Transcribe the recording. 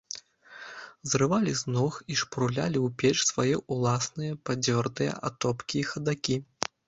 Зрывалі з ног і шпурлялі ў печ свае ўласныя падзёртыя атопкі і хадакі.